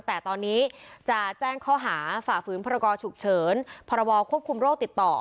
แต่ตอนนี้จะแจ้งข้อหาฝ่าฝืนพรกรฉุกเฉินพรบควบคุมโรคติดต่อ